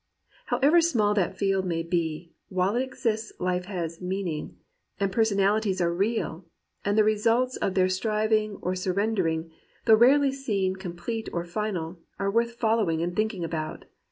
However small that field may be, while it exists life has a meaning, and personalities are real, and the results of their striving or surrendering, though rarely seen complete or final, are worth fol lowing and thinking about.